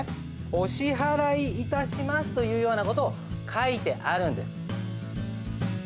「お支払いいたします」というような事を書いてあるんです。